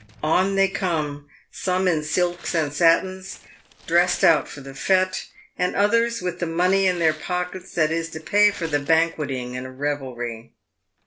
On they come, some in silks and satins, dressed out for the fete, and others with the money in their pockets that is to pay for the banqueting and revelry.